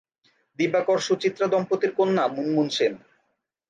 দিবাকর-সুচিত্রা দম্পতির কন্যা মুনমুন সেন।